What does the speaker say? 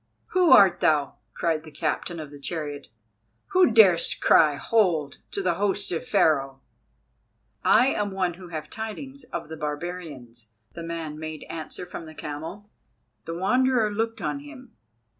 "Who art thou?" cried the captain of the chariot, "who darest cry 'hold' to the host of Pharaoh?" "I am one who have tidings of the barbarians," the man made answer from the camel. The Wanderer looked on him.